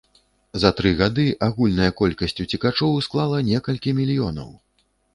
За тры гады агульная колькасць уцекачоў склала некалькі мільёнаў!